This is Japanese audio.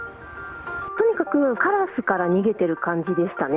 とにかくカラスから逃げてる感じでしたね。